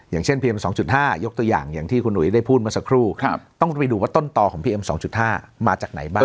อย่างเช่นเพียง๒๕ยกตัวอย่างอย่างที่คุณอุ๋ยได้พูดเมื่อสักครู่ต้องไปดูว่าต้นต่อของพีเอ็ม๒๕มาจากไหนบ้าง